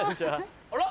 あら！